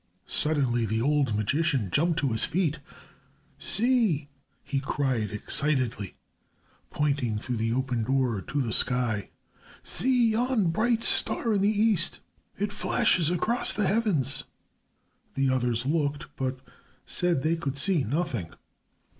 Suddenly the old magician jumped to his feet. "See," he cried, excitedly, pointing through the open door to the sky. "See yon bright star in the east. It flashes across the heavens." The others looked, but said they could see nothing.